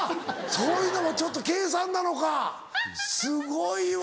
そういうのもちょっと計算なのかすごいわ。